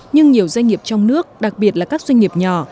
nhưng nhiều doanh nghiệp trong nước đặc biệt là các doanh nghiệp nhỏ